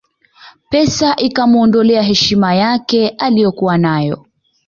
Pesa ikamuondolea heshima yake aliyokuwa nayo